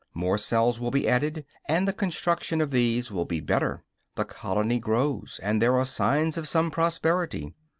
More cells will be added, and the construction of these will be better; the colony grows, and there are signs of some prosperity.